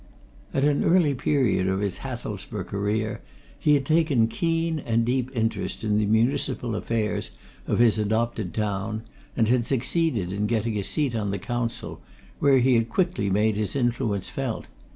At an early period of his Hathelsborough career he had taken keen and deep interest in the municipal affairs of his adopted town and had succeeded in getting a seat on the Council, where he had quickly made his influence felt.